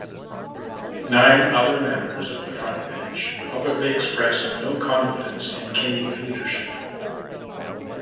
Nine other members of the front bench publicly expressed no confidence in Kenny's leadership.